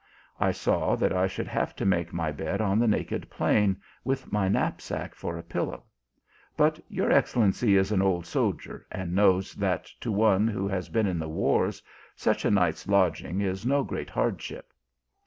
I saw that I should have to make my bed on the naked plain, with my knapsack for a pillow ; but your excellency is an old soldier, and knows that to one who has been in the wars, such a night s lodging is no great hardship."